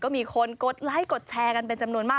ก็มีคนกดไลค์กดแชร์กันเป็นจำนวนมาก